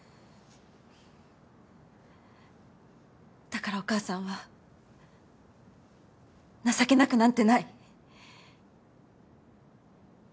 だからお母さんは情けなくなんてない。